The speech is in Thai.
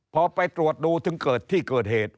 พอไปตรวจดูถึงเกิดที่เกิดเหตุ